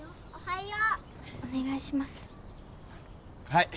はい。